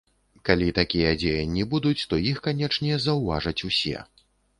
Калі такія дзеянні будуць, то іх, канечне, заўважаць усе.